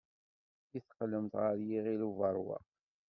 I teqqlemt ɣer Yiɣil Ubeṛwaq?